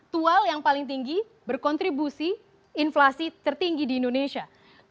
tual yang paling tinggi berkontribusi inflasi tertinggi di indonesia